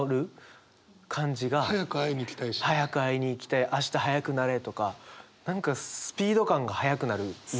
早く会いに行きたい明日早くなれとか何かスピード感が速くなるイメージです。